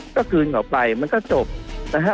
ก็คืนเขาไปมันก็จบนะครับ